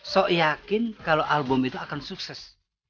so yakin kalau album itu akan sukses